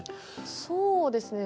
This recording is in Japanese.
そうですね。